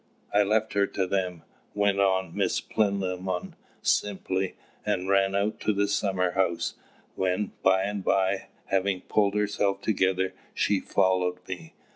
I left her to them," went on Miss Plinlimmon, simply, "and ran out to the summer house, when by and by, having pulled herself together, she followed me.